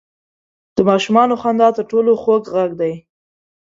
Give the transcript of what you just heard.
• د ماشومانو خندا تر ټولو خوږ ږغ دی.